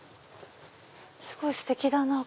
すごいステキだなぁ